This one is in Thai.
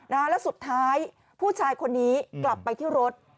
แล้วสุดท้ายผู้ชายคนนี้กลับไปที่รถ